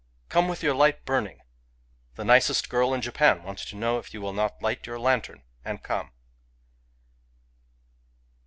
Come with your light burning ! The nicest girl in Japan wants to know if you will not light your lantern and come!